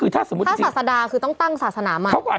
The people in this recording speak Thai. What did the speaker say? ถ้าศาสดาคือต้องตั้งศาสนามัน